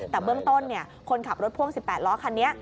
แต่เบื้องต้นคนขับรถพ่วง๑๘ล้อคันนี้